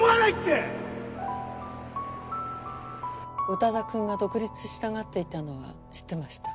宇多田くんが独立したがっていたのは知ってました。